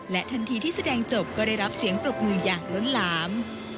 ทันทีที่แสดงจบก็ได้รับเสียงปรบมืออย่างล้นหลาม